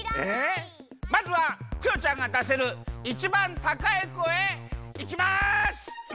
まずはクヨちゃんがだせるいちばんたかい声いきます！